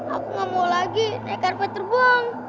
aku gak mau lagi naik karpet terbang